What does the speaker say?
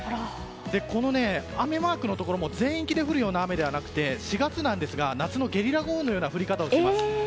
この雨マークのところも全域で降るような雨ではなくて、４月なんですが夏のゲリラ豪雨のような降り方をします。